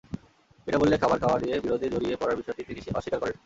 বিনা মূল্যে খাবার খাওয়া নিয়ে বিরোধে জড়িয়ে পড়ার বিষয়টি তিনি অস্বীকার করেন।